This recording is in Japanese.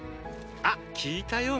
あっ聞いたよ